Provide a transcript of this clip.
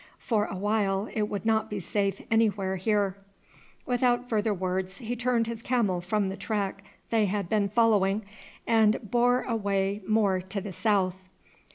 For a while it would not be safe anywhere here." Without further words he turned his camel from the track they had been following, and bore away more to the south.